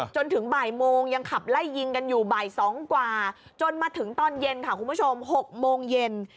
จนถึงบ่ายโมงยังขับไล่ยิงกันอยู่บ่าย๒กว่าจนมาถึงตอนเย็นค่ะคุณผู้ชม๖โมงเย็น